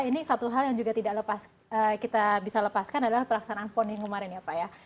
ini satu hal yang juga tidak lepas kita bisa lepaskan adalah pelaksanaan pon yang kemarin ya pak ya